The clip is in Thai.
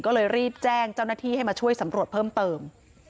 ก็เลยรีบแจ้งเจ้าหน้าที่ให้มาช่วยสำรวจเพิ่มเติม